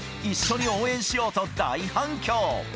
一緒に応援しようと大反響！